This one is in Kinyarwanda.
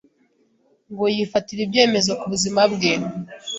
ngo yifatira ibyemezo ku buzima bwe,